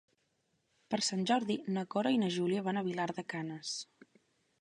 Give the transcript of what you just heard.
Per Sant Jordi na Cora i na Júlia van a Vilar de Canes.